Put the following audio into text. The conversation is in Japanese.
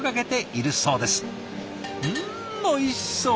うんおいしそう！